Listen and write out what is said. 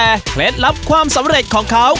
สุดท้ายสุดท้าย